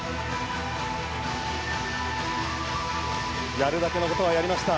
やるだけのことはやりました。